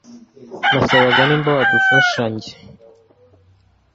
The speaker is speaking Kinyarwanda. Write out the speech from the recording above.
nasabaga nimba wadufasha njye